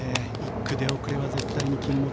１区出遅れは絶対に禁物。